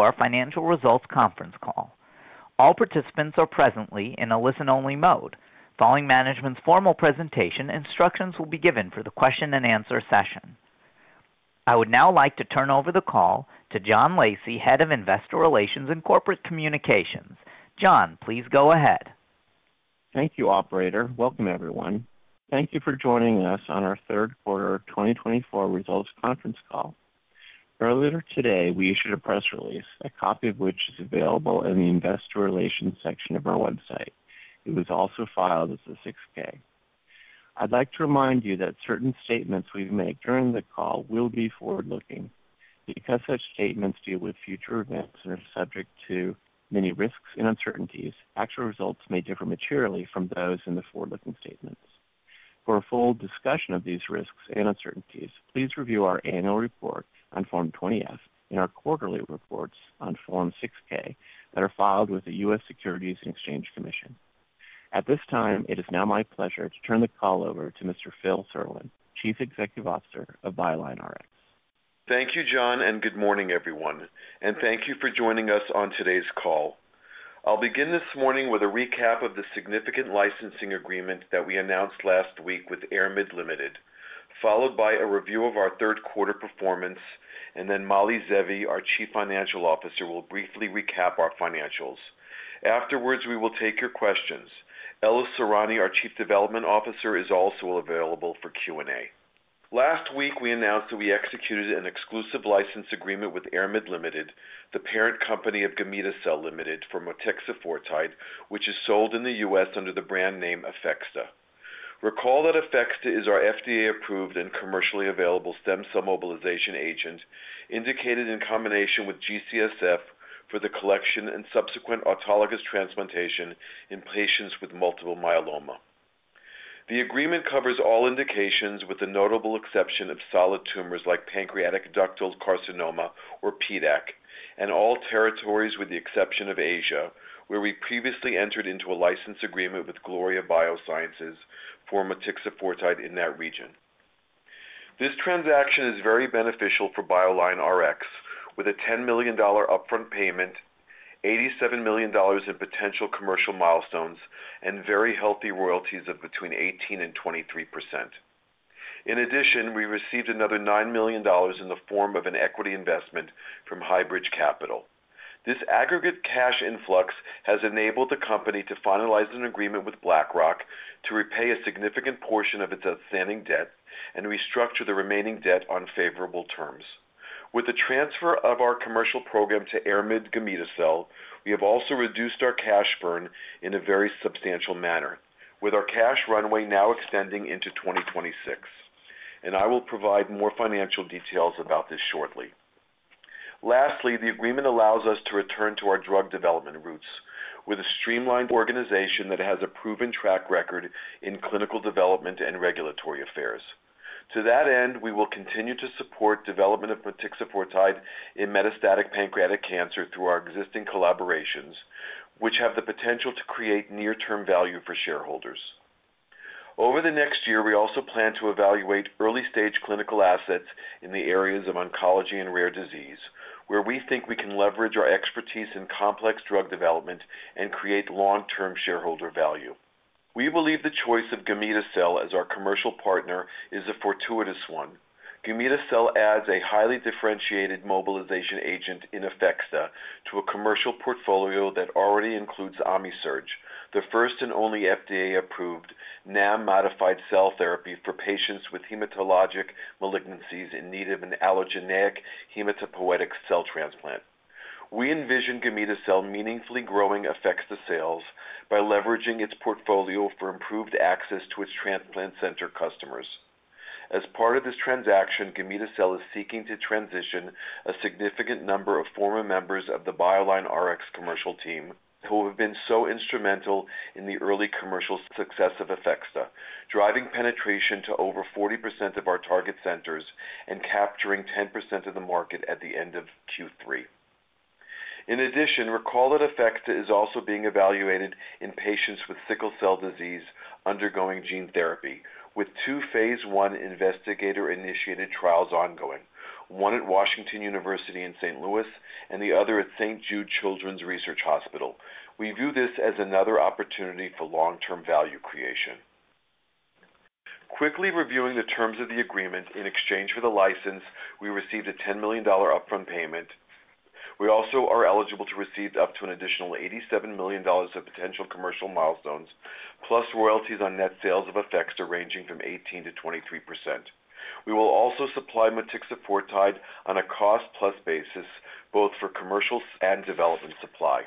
For our financial results conference call. All participants are presently in a listen-only mode. Following management's formal presentation, instructions will be given for the question-and-answer session. I would now like to turn over the call to John Lacey, Head of Investor Relations and Corporate Communications. John, please go ahead. Thank you, Operator. Welcome, everyone. Thank you for joining us on our Third Quarter 2024 Results Conference Call. Earlier today, we issued a press release, a copy of which is available in the Investor Relations section of our website. It was also filed as a 6-K. I'd like to remind you that certain statements we make during the call will be forward-looking. Because such statements deal with future events and are subject to many risks and uncertainties, actual results may differ materially from those in the forward-looking statements. For a full discussion of these risks and uncertainties, please review our annual report on Form 20-F and our quarterly reports on Form 6-K that are filed with the U.S. Securities and Exchange Commission. At this time, it is now my pleasure to turn the call over to Mr. Phil Serlin, Chief Executive Officer of BioLineRx. Thank you, John, and good morning, everyone. Thank you for joining us on today's call. I'll begin this morning with a recap of the significant licensing agreement that we announced last week with Ayrmid Ltd., followed by a review of our third quarter performance, and then Mali Zeevi, our Chief Financial Officer, will briefly recap our financials. Afterwards, we will take your questions. Ella Sorani, our Chief Development Officer, is also available for Q&A. Last week, we announced that we executed an exclusive license agreement with Ayrmid Ltd., the parent company of Gamida Cell Ltd., for motixafortide, which is sold in the U.S. under the brand name APHEXDA. Recall that APHEXDA is our FDA-approved and commercially available stem cell mobilization agent indicated in combination with G-CSF for the collection and subsequent autologous transplantation in patients with multiple myeloma. The agreement covers all indications with the notable exception of solid tumors like pancreatic ductal carcinoma, or PDAC, and all territories with the exception of Asia, where we previously entered into a license agreement with Gloria Biosciences for motixafortide in that region. This transaction is very beneficial for BioLineRx, with a $10 million upfront payment, $87 million in potential commercial milestones, and very healthy royalties of between 18% and 23%. In addition, we received another $9 million in the form of an equity investment from Highbridge Capital. This aggregate cash influx has enabled the company to finalize an agreement with BlackRock to repay a significant portion of its outstanding debt and restructure the remaining debt on favorable terms. With the transfer of our commercial program to Ayrmid Gamida Cell, we have also reduced our cash burn in a very substantial manner, with our cash runway now extending into 2026. I will provide more financial details about this shortly. Lastly, the agreement allows us to return to our drug development roots, with a streamlined organization that has a proven track record in clinical development and regulatory affairs. To that end, we will continue to support the development of motixafortide in metastatic pancreatic cancer through our existing collaborations, which have the potential to create near-term value for shareholders. Over the next year, we also plan to evaluate early-stage clinical assets in the areas of oncology and rare disease, where we think we can leverage our expertise in complex drug development and create long-term shareholder value. We believe the choice of Gamida Cell as our commercial partner is a fortuitous one. Gamida Cell adds a highly differentiated mobilization agent in APHEXDA to a commercial portfolio that already includes Omisirge, the first and only FDA-approved NAM-modified cell therapy for patients with hematologic malignancies in need of an allogeneic hematopoietic cell transplant. We envision Gamida Cell meaningfully growing APHEXDA sales by leveraging its portfolio for improved access to its transplant center customers. As part of this transaction, Gamida Cell is seeking to transition a significant number of former members of the BioLineRx commercial team who have been so instrumental in the early commercial success of APHEXDA, driving penetration to over 40% of our target centers and capturing 10% of the market at the end of Q3. In addition, recall that APHEXDA is also being evaluated in patients with sickle cell disease undergoing gene therapy, with two phase 1 investigator-initiated trials ongoing, one at Washington University in St. Louis and the other at St. Jude Children's Research Hospital. We view this as another opportunity for long-term value creation. Quickly reviewing the terms of the agreement, in exchange for the license, we received a $10 million upfront payment. We also are eligible to receive up to an additional $87 million of potential commercial milestones, plus royalties on net sales of APHEXDA ranging from 18%-23%. We will also supply motixafortide on a cost-plus basis, both for commercial and development supply.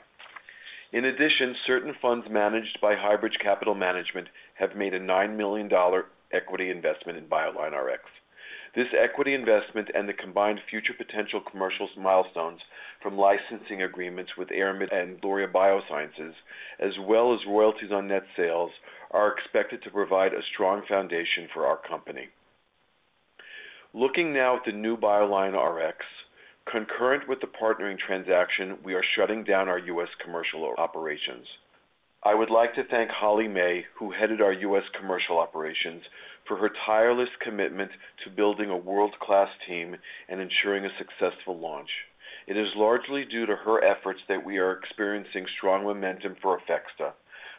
In addition, certain funds managed by Highbridge Capital Management have made a $9 million equity investment in BioLineRx. This equity investment and the combined future potential commercial milestones from licensing agreements with Ayrmid and Gloria Biosciences, as well as royalties on net sales, are expected to provide a strong foundation for our company. Looking now at the new BioLineRx, concurrent with the partnering transaction, we are shutting down our U.S. commercial operations. I would like to thank Holly May, who headed our U.S. commercial operations, for her tireless commitment to building a world-class team and ensuring a successful launch. It is largely due to her efforts that we are experiencing strong momentum for APHEXDA,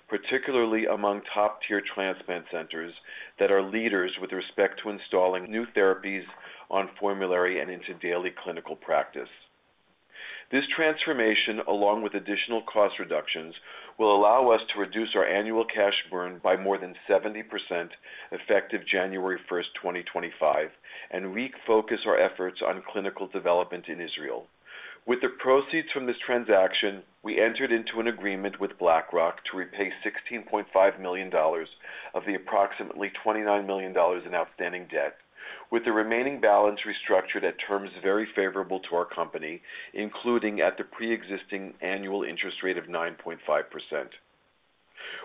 particularly among top-tier transplant centers that are leaders with respect to installing new therapies on formulary and into daily clinical practice. This transformation, along with additional cost reductions, will allow us to reduce our annual cash burn by more than 70% effective January 1, 2025, and refocus our efforts on clinical development in Israel. With the proceeds from this transaction, we entered into an agreement with BlackRock to repay $16.5 million of the approximately $29 million in outstanding debt, with the remaining balance restructured at terms very favorable to our company, including at the pre-existing annual interest rate of 9.5%.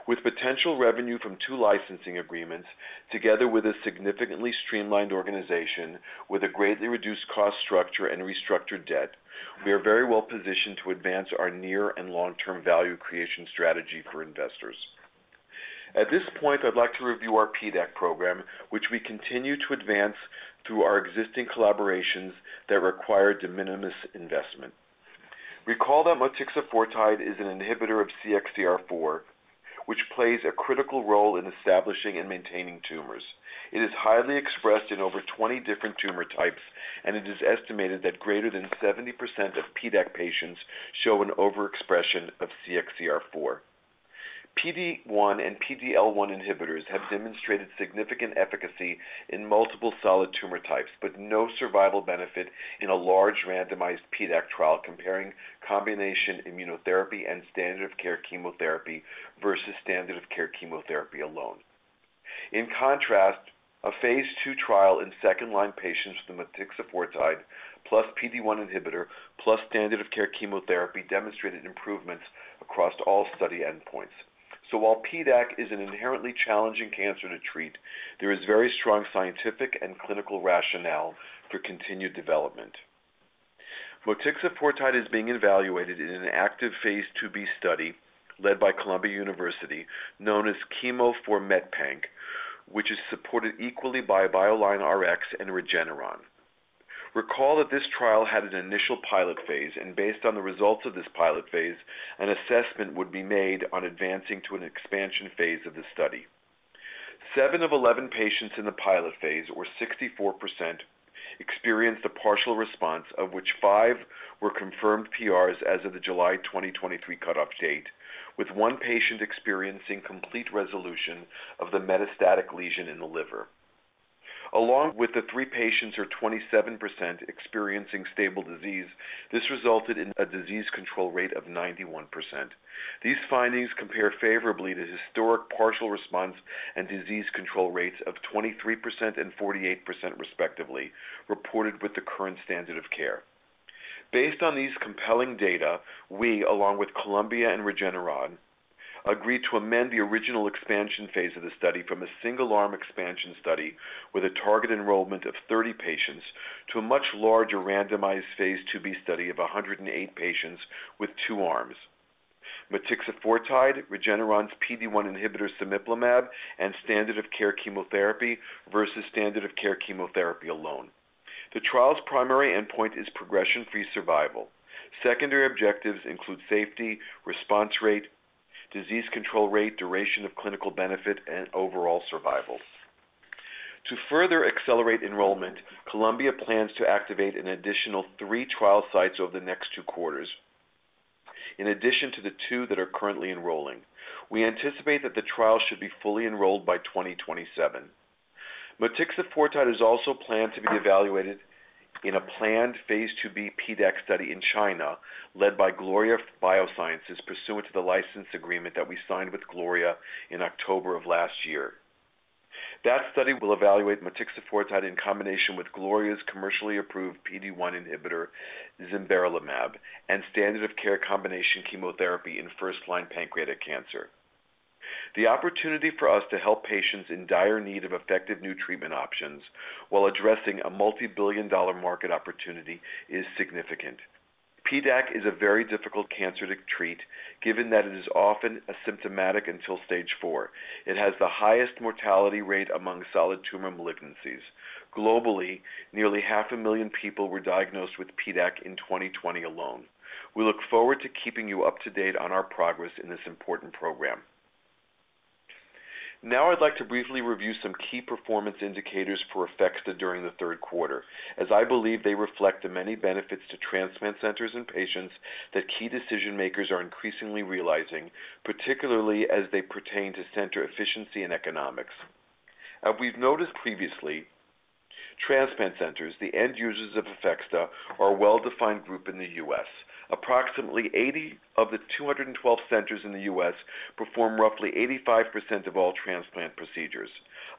With potential revenue from two licensing agreements, together with a significantly streamlined organization, with a greatly reduced cost structure and restructured debt, we are very well positioned to advance our near and long-term value creation strategy for investors. At this point, I'd like to review our PDAC program, which we continue to advance through our existing collaborations that require de minimis investment. Recall that motixafortide is an inhibitor of CXCR4, which plays a critical role in establishing and maintaining tumors. It is highly expressed in over 20 different tumor types, and it is estimated that greater than 70% of PDAC patients show an overexpression of CXCR4. PD-1 and PD-L1 inhibitors have demonstrated significant efficacy in multiple solid tumor types, but no survival benefit in a large randomized PDAC trial comparing combination immunotherapy and standard of care chemotherapy versus standard of care chemotherapy alone. In contrast, a phase 2 trial in second-line patients with motixafortide, plus PD-1 inhibitor, plus standard of care chemotherapy demonstrated improvements across all study endpoints. While PDAC is an inherently challenging cancer to treat, there is very strong scientific and clinical rationale for continued development. Motixafortide is being evaluated in an active phase 2b study led by Columbia University, known as CheMo4METPANC, which is supported equally by BioLineRx and Regeneron. Recall that this trial had an initial pilot phase, and based on the results of this pilot phase, an assessment would be made on advancing to an expansion phase of the study. Seven of 11 patients in the pilot phase, or 64%, experienced a partial response, of which five were confirmed PRs as of the July 2023 cutoff date, with one patient experiencing complete resolution of the metastatic lesion in the liver. Along with the three patients, or 27%, experiencing stable disease, this resulted in a disease control rate of 91%. These findings compare favorably to historic partial response and disease control rates of 23% and 48%, respectively, reported with the current standard of care. Based on these compelling data, we, along with Columbia and Regeneron, agreed to amend the original expansion phase of the study from a single-arm expansion study with a target enrollment of 30 patients to a much larger randomized phase 2b study of 108 patients with two arms: motixafortide, Regeneron's PD-1 inhibitor, cemiplimab, and standard of care chemotherapy versus standard of care chemotherapy alone. The trial's primary endpoint is progression-free survival. Secondary objectives include safety, response rate, disease control rate, duration of clinical benefit, and overall survival. To further accelerate enrollment, Columbia plans to activate an additional three trial sites over the next two quarters, in addition to the two that are currently enrolling. We anticipate that the trial should be fully enrolled by 2027. Motixafortide is also planned to be evaluated in a planned phase 2b PDAC study in China, led by Gloria Biosciences, pursuant to the license agreement that we signed with Gloria in October of last year. That study will evaluate motixafortide in combination with Gloria's commercially approved PD-1 inhibitor, zimberelimab, and standard of care combination chemotherapy in first-line pancreatic cancer. The opportunity for us to help patients in dire need of effective new treatment options while addressing a multi-billion dollar market opportunity is significant. PDAC is a very difficult cancer to treat, given that it is often asymptomatic until stage four. It has the highest mortality rate among solid tumor malignancies. Globally, nearly 500,000 people were diagnosed with PDAC in 2020 alone. We look forward to keeping you up to date on our progress in this important program. Now, I'd like to briefly review some key performance indicators for APHEXDA during the third quarter, as I believe they reflect the many benefits to transplant centers and patients that key decision-makers are increasingly realizing, particularly as they pertain to center efficiency and economics. As we've noticed previously, transplant centers, the end users of APHEXDA, are a well-defined group in the U.S. Approximately 80 of the 212 centers in the U.S. perform roughly 85% of all transplant procedures.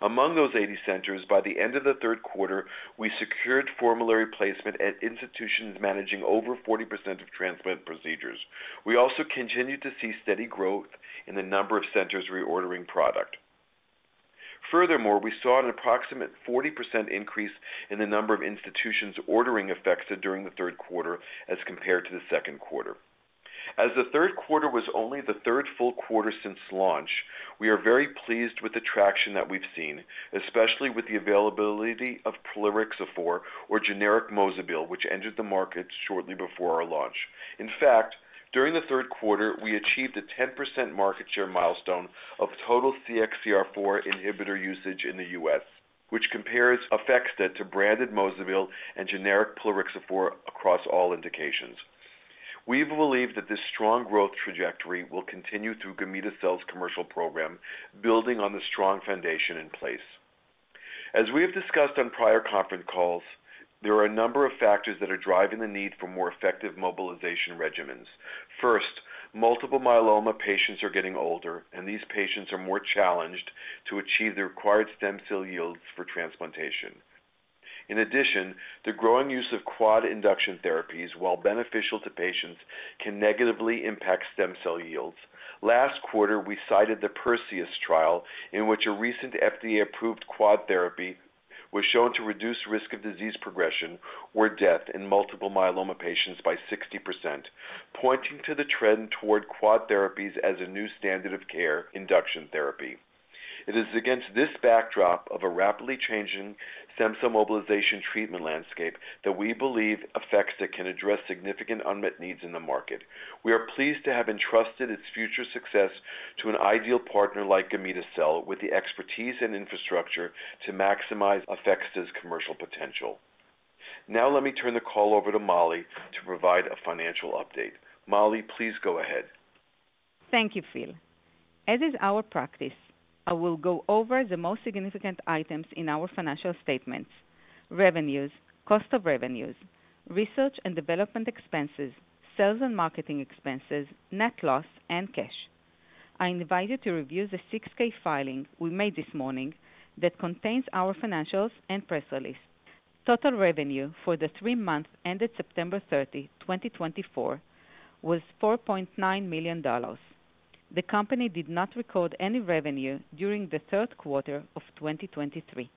Among those 80 centers, by the end of the third quarter, we secured formulary placement at institutions managing over 40% of transplant procedures. We also continue to see steady growth in the number of centers reordering product. Furthermore, we saw an approximate 40% increase in the number of institutions ordering APHEXDA during the third quarter as compared to the second quarter. As the third quarter was only the third full quarter since launch, we are very pleased with the traction that we've seen, especially with the availability of plerixafor, or generic Mozobil, which entered the market shortly before our launch. In fact, during the third quarter, we achieved a 10% market share milestone of total CXCR4 inhibitor usage in the U.S., which compares APHEXDA to branded Mozobil and generic plerixafor across all indications. We believe that this strong growth trajectory will continue through Gamida Cell's commercial program, building on the strong foundation in place. As we have discussed on prior conference calls, there are a number of factors that are driving the need for more effective mobilization regimens. First, multiple myeloma patients are getting older, and these patients are more challenged to achieve the required stem cell yields for transplantation. In addition, the growing use of quad induction therapies, while beneficial to patients, can negatively impact stem cell yields. Last quarter, we cited the Perseus trial, in which a recent FDA-approved quad therapy was shown to reduce risk of disease progression or death in multiple myeloma patients by 60%, pointing to the trend toward quad therapies as a new standard of care induction therapy. It is against this backdrop of a rapidly changing stem cell mobilization treatment landscape that we believe APHEXDA can address significant unmet needs in the market. We are pleased to have entrusted its future success to an ideal partner like Gamida Cell, with the expertise and infrastructure to maximize APHEXDA's commercial potential. Now, let me turn the call over to Mali to provide a financial update. Mali, please go ahead. Thank you, Phil. As is our practice, I will go over the most significant items in our financial statements: revenues, cost of revenues, research and development expenses, sales and marketing expenses, net loss, and cash. I invite you to review the 6-K filing we made this morning that contains our financials and press release. Total revenue for the three months ended September 30, 2024, was $4.9 million. The company did not record any revenue during the third quarter of 2023.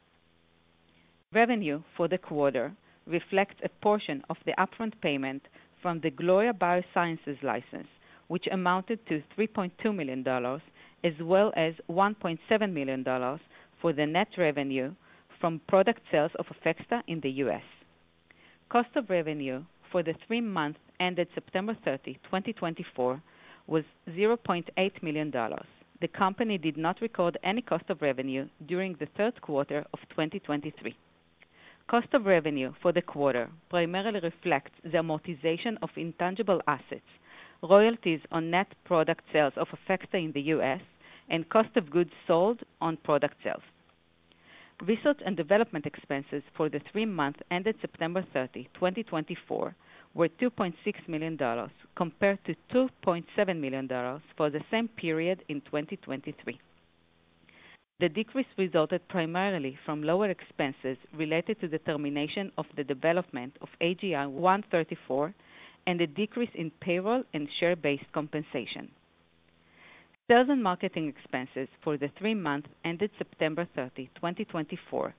Revenue for the quarter reflects a portion of the upfront payment from the Gloria Biosciences license, which amounted to $3.2 million, as well as $1.7 million for the net revenue from product sales of APHEXDA in the U.S. Cost of revenue for the three months ended September 30, 2024, was $0.8 million. The company did not record any cost of revenue during the third quarter of 2023. Cost of revenue for the quarter primarily reflects the amortization of intangible assets, royalties on net product sales of APHEXDA in the U.S., and cost of goods sold on product sales. Research and development expenses for the three months ended September 30, 2024, were $2.6 million, compared to $2.7 million for the same period in 2023. The decrease resulted primarily from lower expenses related to the termination of the development of AGI-134 and the decrease in payroll and share-based compensation. Sales and marketing expenses for the three months ended September 30, 2024,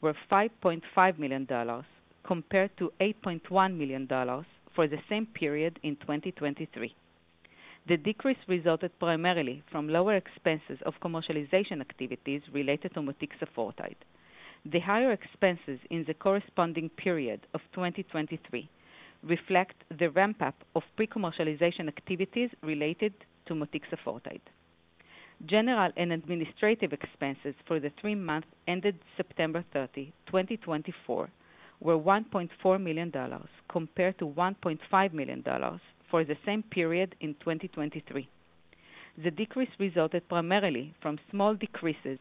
were $5.5 million, compared to $8.1 million for the same period in 2023. The decrease resulted primarily from lower expenses of commercialization activities related to motixafortide. The higher expenses in the corresponding period of 2023 reflect the ramp-up of pre-commercialization activities related to motixafortide. General and administrative expenses for the three months ended September 30, 2024, were $1.4 million, compared to $1.5 million for the same period in 2023. The decrease resulted primarily from small decreases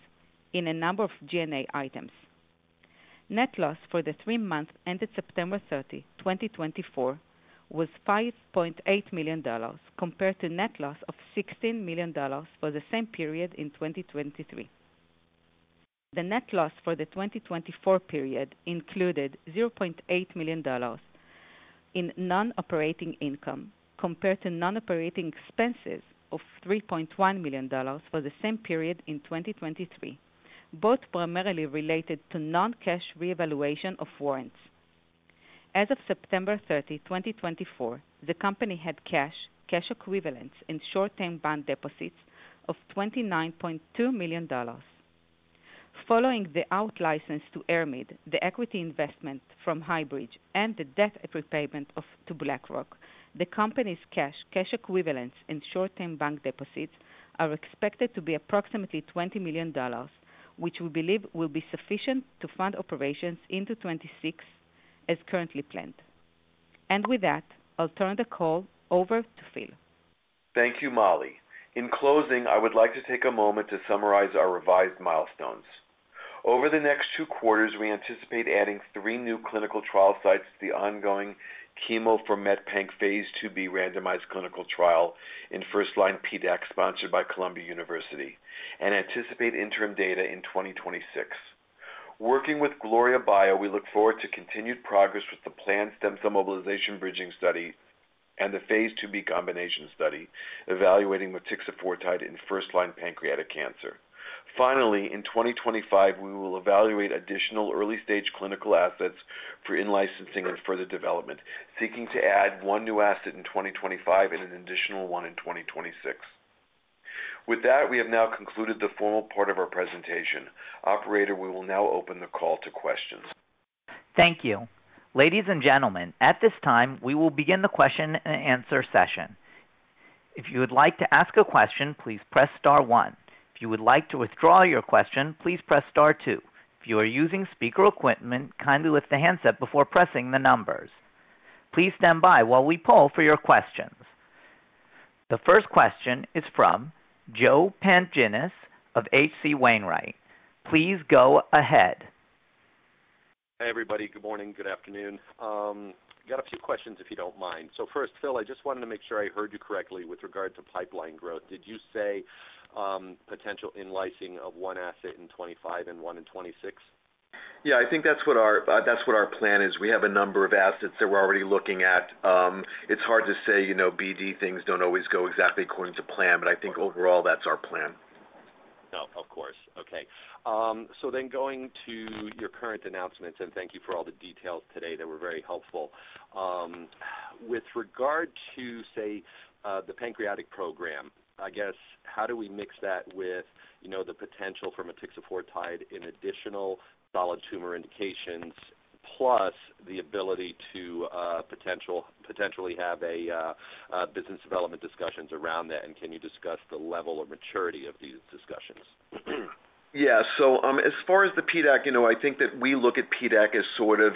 in the number of G&A items. Net loss for the three months ended September 30, 2024, was $5.8 million, compared to net loss of $16 million for the same period in 2023. The net loss for the 2024 period included $0.8 million in non-operating income, compared to non-operating expenses of $3.1 million for the same period in 2023, both primarily related to non-cash reevaluation of warrants. As of September 30, 2024, the company had cash, cash equivalents, and short-term bank deposits of $29.2 million. Following the out license to Ayrmid, the equity investment from Highbridge, and the debt repayment to BlackRock, the company's cash, cash equivalents, and short-term bank deposits are expected to be approximately $20 million, which we believe will be sufficient to fund operations into 2026, as currently planned. With that, I'll turn the call over to Phil. Thank you, Mali. In closing, I would like to take a moment to summarize our revised milestones. Over the next two quarters, we anticipate adding three new clinical trial sites to the ongoing CheMo4METPANC phase 2b randomized clinical trial in first-line PDAC sponsored by Columbia University, and anticipate interim data in 2026. Working with Gloria Biosciences, we look forward to continued progress with the planned stem cell mobilization bridging study and the phase 2b combination study evaluating motixafortide in first-line pancreatic cancer. Finally, in 2025, we will evaluate additional early-stage clinical assets for in-licensing and further development, seeking to add one new asset in 2025 and an additional one in 2026. With that, we have now concluded the formal part of our presentation. Operator, we will now open the call to questions. Thank you. Ladies and gentlemen, at this time, we will begin the question and answer session. If you would like to ask a question, please press star one. If you would like to withdraw your question, please press star two. If you are using speaker equipment, kindly lift the handset before pressing the numbers. Please stand by while we poll for your questions. The first question is from Joe Pantginis of H.C. Wainwright. Please go ahead. Hey, everybody. Good morning. Good afternoon. I've got a few questions, if you do not mind. First, Phil, I just wanted to make sure I heard you correctly with regard to pipeline growth. Did you say potential in-licensing of one asset in 2025 and one in 2026? Yeah, I think that's what our plan is. We have a number of assets that we're already looking at. It's hard to say, BD things don't always go exactly according to plan, but I think overall, that's our plan. No, of course. Okay. Going to your current announcements, and thank you for all the details today that were very helpful. With regard to, say, the pancreatic program, I guess, how do we mix that with the potential for motixafortide in additional solid tumor indications, plus the ability to potentially have business development discussions around that? Can you discuss the level of maturity of these discussions? Yeah. As far as the PDAC, I think that we look at PDAC as sort of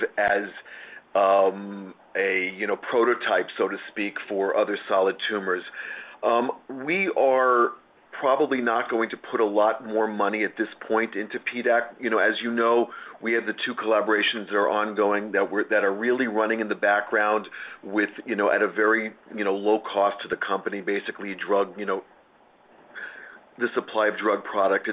a prototype, so to speak, for other solid tumors. We are probably not going to put a lot more money at this point into PDAC. As you know, we have the two collaborations that are ongoing that are really running in the background at a very low cost to the company, basically the supply of drug product.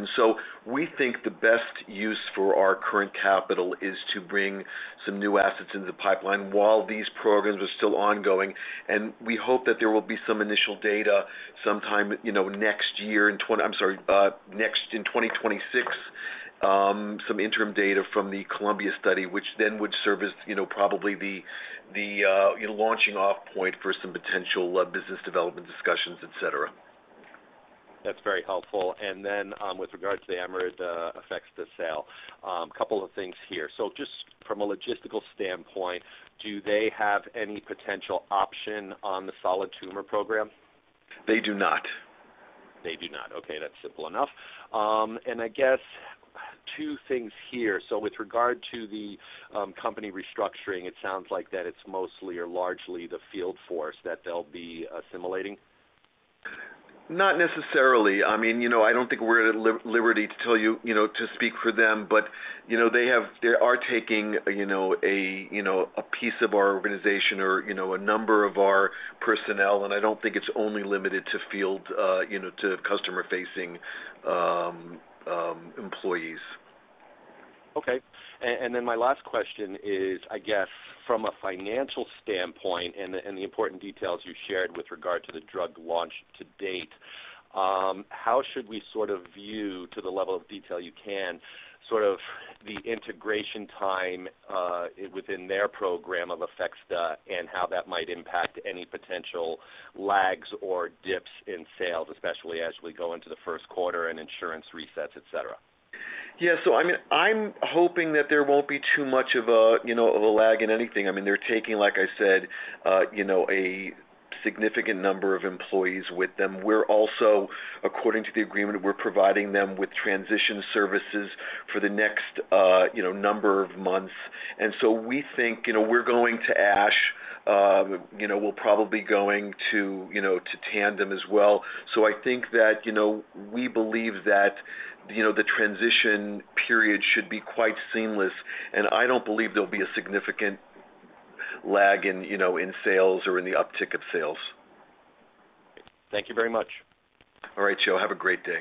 We think the best use for our current capital is to bring some new assets into the pipeline while these programs are still ongoing. We hope that there will be some initial data sometime next year in—I'm sorry, in 2026, some interim data from the Columbia study, which then would serve as probably the launching-off point for some potential business development discussions, etc. That's very helpful. With regard to the Ayrmid APHEXDA sale, a couple of things here. Just from a logistical standpoint, do they have any potential option on the solid tumor program? They do not. They do not. Okay. That's simple enough. I guess two things here. With regard to the company restructuring, it sounds like that it's mostly or largely the field force that they'll be assimilating? Not necessarily. I mean, I don't think we're at liberty to tell you to speak for them, but they are taking a piece of our organization or a number of our personnel, and I don't think it's only limited to field to customer-facing employees. Okay. My last question is, I guess, from a financial standpoint and the important details you shared with regard to the drug launch to date, how should we sort of view, to the level of detail you can, sort of the integration time within their program of APHEXDA and how that might impact any potential lags or dips in sales, especially as we go into the first quarter and insurance resets, etc.? Yeah. I mean, I'm hoping that there won't be too much of a lag in anything. I mean, they're taking, like I said, a significant number of employees with them. We're also, according to the agreement, providing them with transition services for the next number of months. We think we're going to ASH. We're probably going to Tandem as well. I think that we believe that the transition period should be quite seamless, and I do not believe there'll be a significant lag in sales or in the uptick of sales. Thank you very much. All right, Joe. Have a great day.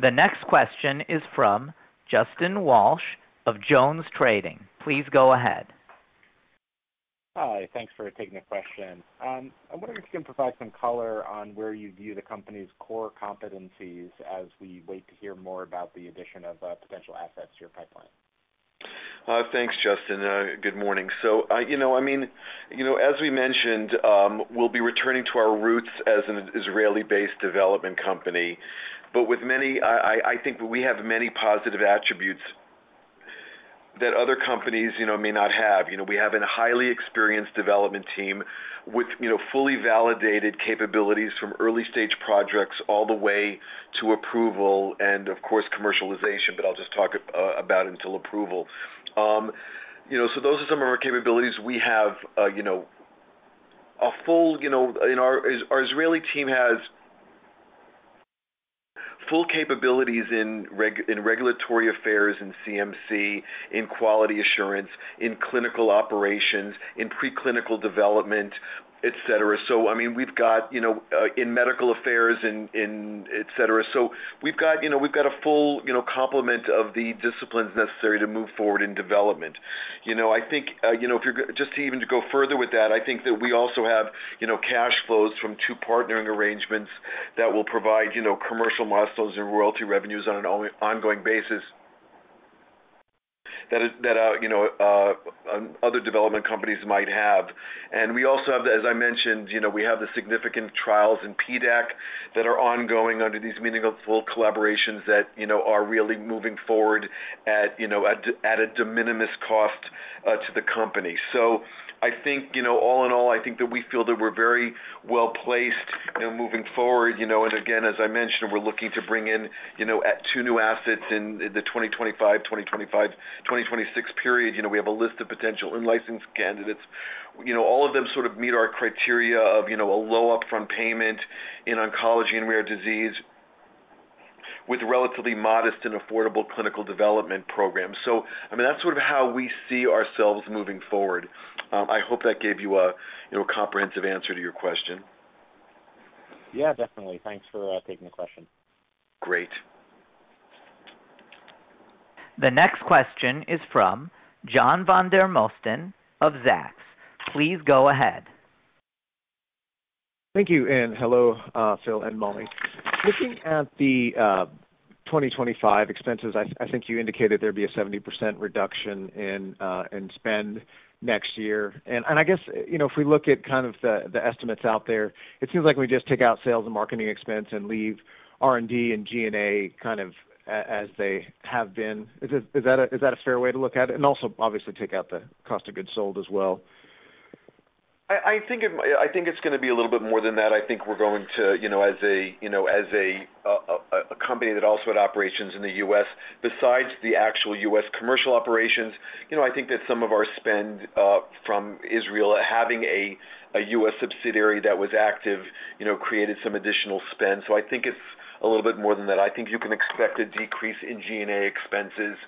The next question is from Justin Walsh of JonesTrading. Please go ahead. Hi. Thanks for taking the question. I'm wondering if you can provide some color on where you view the company's core competencies as we wait to hear more about the addition of potential assets to your pipeline. Thanks, Justin. Good morning. I mean, as we mentioned, we'll be returning to our roots as an Israeli-based development company. I think we have many positive attributes that other companies may not have. We have a highly experienced development team with fully validated capabilities from early-stage projects all the way to approval and, of course, commercialization. I'll just talk about until approval. Those are some of our capabilities. Our Israeli team has full capabilities in regulatory affairs, in CMC, in quality assurance, in clinical operations, in preclinical development, etc. I mean, we've got in medical affairs, etc. We've got a full complement of the disciplines necessary to move forward in development. I think if you're just even to go further with that, I think that we also have cash flows from two partnering arrangements that will provide commercial milestones and royalty revenues on an ongoing basis that other development companies might have. We also have, as I mentioned, the significant trials in PDAC that are ongoing under these meaningful collaborations that are really moving forward at a de minimis cost to the company. I think all in all, we feel that we're very well placed moving forward. Again, as I mentioned, we're looking to bring in two new assets in the 2025, 2026 period. We have a list of potential in-licensing candidates. All of them sort of meet our criteria of a low upfront payment in oncology and rare disease with relatively modest and affordable clinical development programs. I mean, that's sort of how we see ourselves moving forward. I hope that gave you a comprehensive answer to your question. Yeah, definitely. Thanks for taking the question. Great. The next question is from John Vandermosten of Zacks. Please go ahead. Thank you. Hello, Phil and Mali. Looking at the 2025 expenses, I think you indicated there'd be a 70% reduction in spend next year. I guess if we look at kind of the estimates out there, it seems like we just take out sales and marketing expense and leave R&D and G&A kind of as they have been. Is that a fair way to look at it? Also, obviously, take out the cost of goods sold as well. I think it's going to be a little bit more than that. I think we're going to, as a company that also had operations in the U.S., besides the actual U.S. commercial operations, I think that some of our spend from Israel having a U.S. subsidiary that was active created some additional spend. I think it's a little bit more than that. I think you can expect a decrease in G&A expenses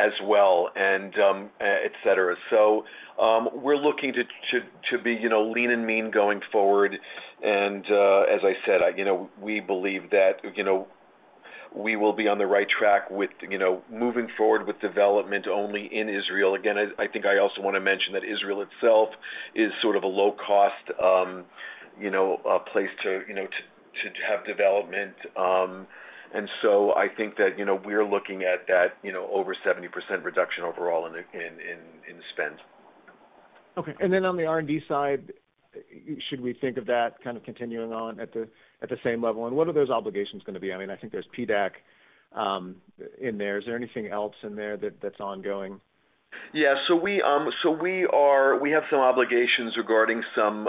as well, etc. We are looking to be lean and mean going forward. As I said, we believe that we will be on the right track with moving forward with development only in Israel. I think I also want to mention that Israel itself is sort of a low-cost place to have development. I think that we are looking at that over 70% reduction overall in spend. Okay. On the R&D side, should we think of that kind of continuing on at the same level? What are those obligations going to be? I mean, I think there is PDAC in there. Is there anything else in there that is ongoing? Yeah. We have some obligations regarding some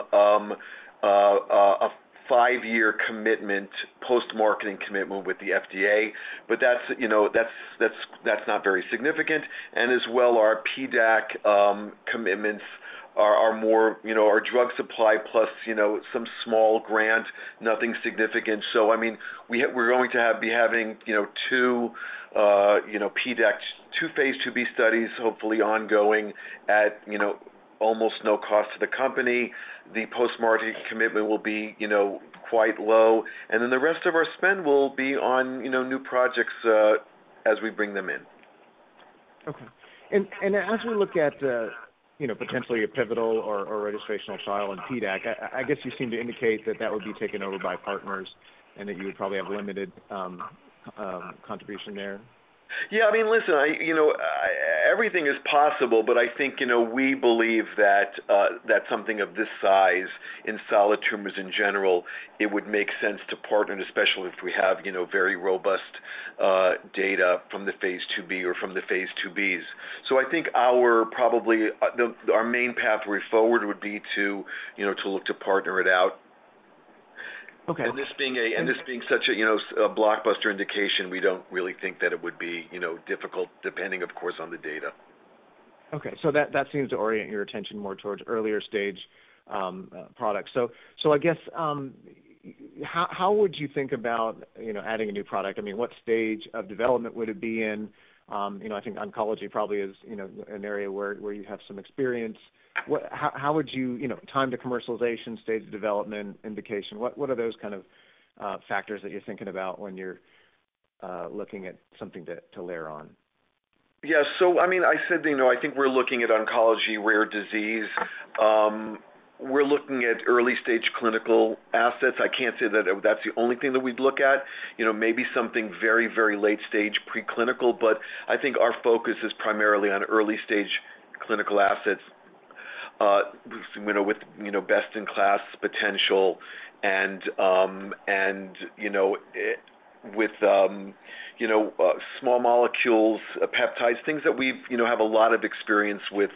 five-year commitment, post-marketing commitment with the FDA, but that is not very significant. As well, our PDAC commitments are more our drug supply plus some small grant, nothing significant. I mean, we're going to be having two PDAC, two phase 2b studies, hopefully ongoing at almost no cost to the company. The post-market commitment will be quite low. The rest of our spend will be on new projects as we bring them in. Okay. As we look at potentially a pivotal or registrational trial in PDAC, I guess you seem to indicate that that would be taken over by partners and that you would probably have limited contribution there. Yeah. I mean, listen, everything is possible, but I think we believe that something of this size in solid tumors in general, it would make sense to partner, especially if we have very robust data from the phase 2b or from the phase 2bs. I think our main pathway forward would be to look to partner it out. This being such a blockbuster indication, we don't really think that it would be difficult, depending, of course, on the data. Okay. That seems to orient your attention more towards earlier stage products. I guess, how would you think about adding a new product? I mean, what stage of development would it be in? I think oncology probably is an area where you have some experience. How would you time to commercialization, stage of development, indication? What are those kind of factors that you're thinking about when you're looking at something to layer on? Yeah. I mean, I said I think we're looking at oncology, rare disease. We're looking at early-stage clinical assets. I can't say that that's the only thing that we'd look at. Maybe something very, very late-stage preclinical, but I think our focus is primarily on early-stage clinical assets with best-in-class potential and with small molecules, peptides, things that we have a lot of experience with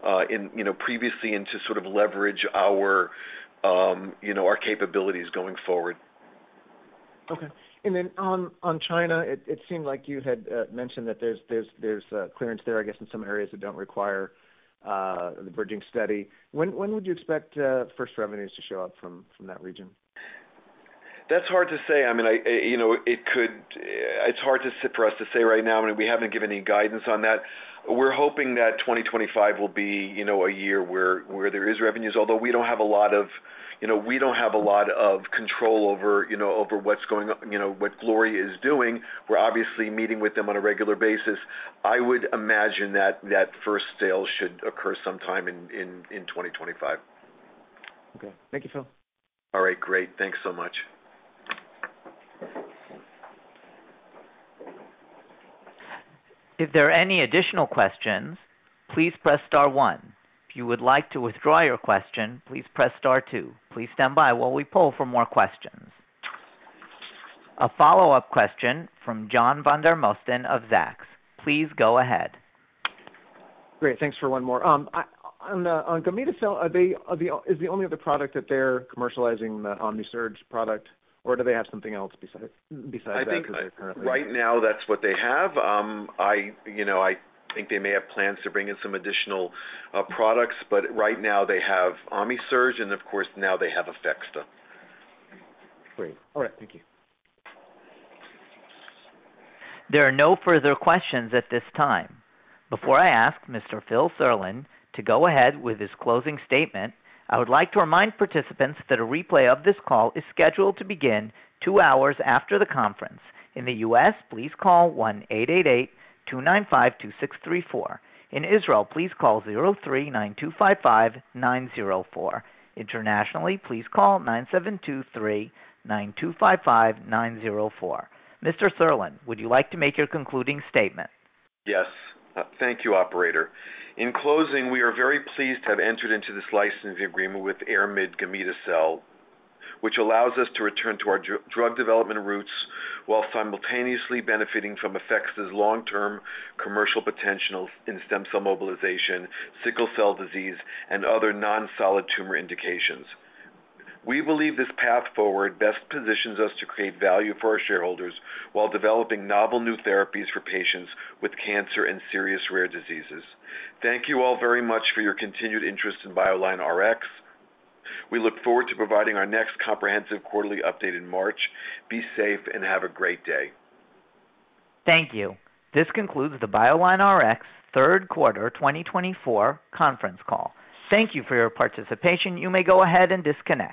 previously and to sort of leverage our capabilities going forward. Okay. On China, it seemed like you had mentioned that there's clearance there, I guess, in some areas that do not require the bridging study. When would you expect first revenues to show up from that region? That's hard to say. I mean, it's hard for us to say right now. I mean, we have not given any guidance on that. We're hoping that 2025 will be a year where there are revenues, although we do not have a lot of—we do not have a lot of control over what's going on, what Gloria is doing. We're obviously meeting with them on a regular basis. I would imagine that first sales should occur sometime in 2025. Okay. Thank you, Phil. All right. Great. Thanks so much. If there are any additional questions, please press star one. If you would like to withdraw your question, please press star two. Please stand by while we poll for more questions. A follow-up question from John Vandermosten of Zacks. Please go ahead. Great. Thanks for one more. On Gamida Cell, is the only other product that they're commercializing the Omisirge product, or do they have something else besides that? I think right now that's what they have. I think they may have plans to bring in some additional products, but right now they have Omisirge, and of course, now they have APHEXDA. Great. All right. Thank you. There are no further questions at this time. Before I ask Mr. Phil Serlin to go ahead with his closing statement, I would like to remind participants that a replay of this call is scheduled to begin two hours after the conference. In the U.S., please call 1-888-295-2634. In Israel, please call 03-9255-904. Internationally, please call 9723-9255-904. Mr. Serlin, would you like to make your concluding statement? Yes. Thank you, Operator. In closing, we are very pleased to have entered into this licensing agreement with Ayrmid Pharma and Gamida Cell, which allows us to return to our drug development roots while simultaneously benefiting from APHEXDA's long-term commercial potential in stem cell mobilization, sickle cell disease, and other non-solid tumor indications. We believe this path forward best positions us to create value for our shareholders while developing novel new therapies for patients with cancer and serious rare diseases. Thank you all very much for your continued interest in BioLineRx. We look forward to providing our next comprehensive quarterly update in March. Be safe and have a great day. Thank you. This concludes the BioLineRx Third Quarter 2024 Conference Call. Thank you for your participation. You may go ahead and disconnect.